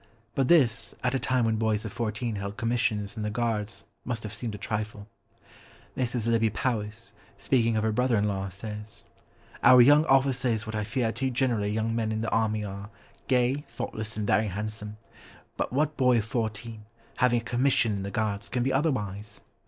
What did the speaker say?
But this, at a time when boys of fourteen held commissions in the Guards, must have seemed a trifle. Mrs. Lybbe Powys, speaking of her brother in law, says— "Our young officer is what I fear too generally young men in the army are, gay, thoughtless, and very handsome; but what boy of fourteen, having a commission in the Guards, can be otherwise?"